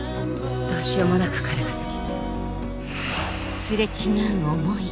どうしようもなく彼が好き。